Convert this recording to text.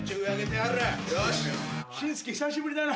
「紳助久しぶりだな」